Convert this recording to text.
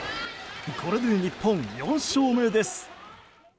これで日本、４勝目です。